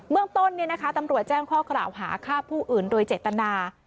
เมืองต้นตำรวจแจ้งข้อกล่าวหาฆ่าผู้อื่นโดยเจตนา